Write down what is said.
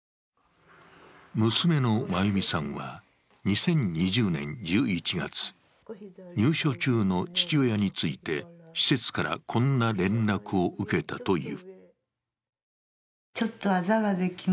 娘の眞優美さんは２０２０年１１月、入所中の父親について、施設からこんな連絡を受けたという。